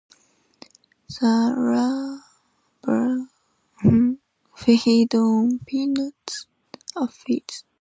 The larvae feed on "Pinus" aphids.